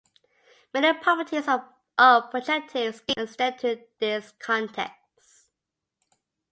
Many properties of projective schemes extend to this context.